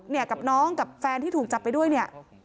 เนี่ยกับน้องกับแฟนที่ถูกจับไปด้วยเนี่ย